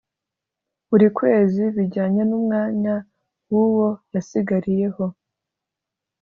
buri kwezi bijyanye n’umwanya w’uwo yasigariyeho,